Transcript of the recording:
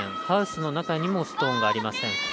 ハウスの中にもストーンがありません。